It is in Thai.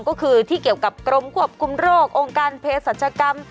ก็คือที่เกี่ยวกับกรมควบคุมโรคองค์การเพศรัชกรรม